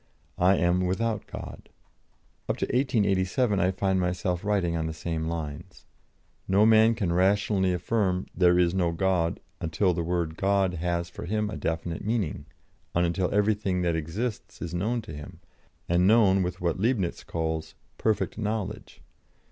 I am without God." Up to 1887 I find myself writing on the same lines: "No man can rationally affirm 'There is no God,' until the word 'God' has for him a definite meaning, and until everything that exists is known to him, and known with what Leibnitz calls 'perfect knowledge.'